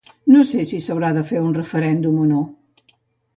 No sé si s’haurà de fer un referèndum o no.